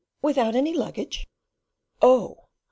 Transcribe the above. "Without any luggage?" "Oh!